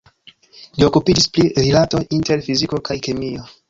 Li okupiĝis pri rilatoj inter fiziko kaj kemio.